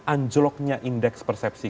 anjloknya indeks persepsi